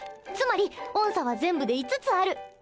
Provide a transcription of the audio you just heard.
つまり音叉は全部で５つある。